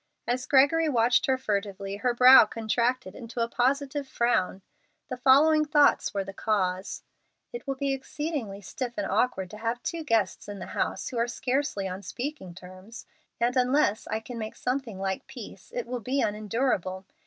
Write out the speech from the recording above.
As Gregory watched her furtively, her brow contracted into a positive frown. The following thoughts were the cause: "It will be exceedingly stiff and awkward to have two guests in the house who are scarcely on speaking terms, and unless I can make something like peace, it will be unendurable.